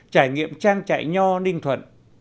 trải nghiệm trang trại nho ninh thuận